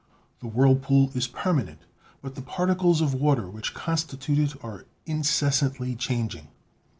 The whirlpool is permanent, but the particles of water which constitute it are incessantly changing.